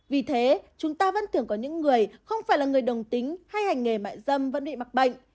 vì thế chúng ta vẫn thường có những người không phải là người đồng tính hay hành nghề mại dâm vẫn bị mắc bệnh